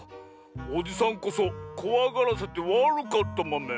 おじさんこそこわがらせてわるかったマメ。